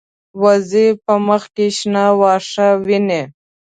وزې په مخ کې شنه واښه ویني